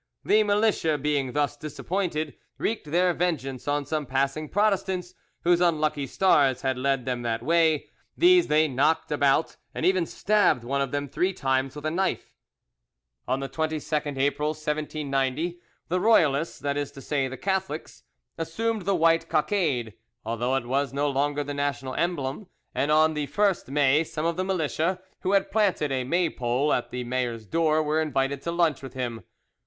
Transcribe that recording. The militia being thus disappointed, wreaked their vengeance on some passing Protestants, whose unlucky stars had led them that way; these they knocked about, and even stabbed one of them three times with a knife. On the 22nd April, 1790, the royalists—that is to say, the Catholics—assumed the white cockade, although it was no longer the national emblem, and on the 1st May some of the militia who had planted a maypole at the mayor's door were invited to lunch with him.